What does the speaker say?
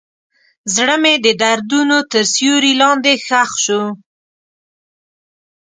زړه مې د دردونو تر سیوري لاندې ښخ شو.